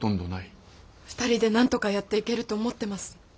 ２人でなんとかやっていけると思ってます。